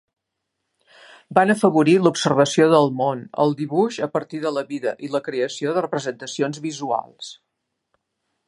Van afavorir l'observació del món, el dibuix a partir de la vida i la creació de representacions visuals.